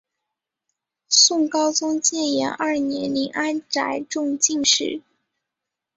宋高宗建炎二年林安宅中进士。